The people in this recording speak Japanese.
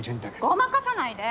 ごまかさないで！